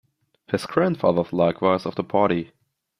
His grandfather is likewise of the party.